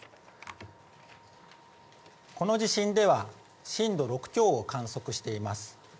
この地震では、震度６強を観測しています。